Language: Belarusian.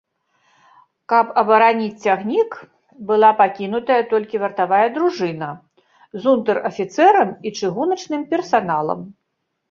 Каб абараніць цягнік, была пакінутая толькі вартавая дружына з унтэр-афіцэрам і чыгуначным персаналам.